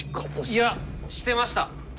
いやしてました。